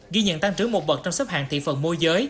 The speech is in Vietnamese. ghi nhận tăng trưởng một bậc trong sốp hàng thị phần mua giới